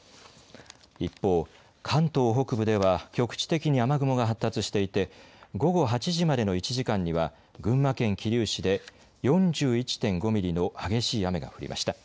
一方、関東北部では局地的に雨雲が発達していて午後８時までの１時間には群馬県桐生市で４１．５ミリの激しい雨が降りました。